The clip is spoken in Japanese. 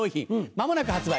間もなく発売